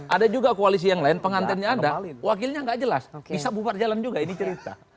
ada juga koalisi yang lain pengantennya ada wakilnya nggak jelas bisa bubar jalan juga ini cerita